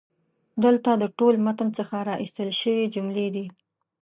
دلته د ټول متن څخه را ایستل شوي جملې دي: